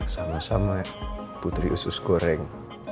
sama sama putri usus goreng